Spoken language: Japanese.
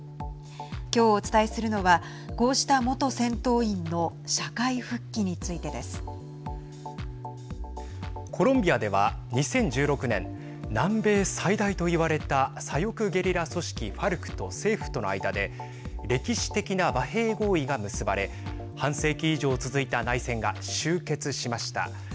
きょう、お伝えするのはこうした元戦闘員のコロンビアでは２０１６年南米最大といわれた左翼ゲリラ組織ＦＡＲＣと政府との間で歴史的な和平合意が結ばれ半世紀以上続いた内戦が終結しました。